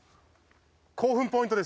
興奮ポイント？